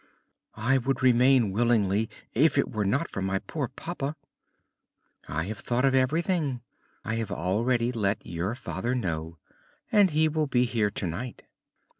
"I would remain willingly if it were not for my poor papa." "I have thought of everything. I have already let your father know, and he will be here tonight."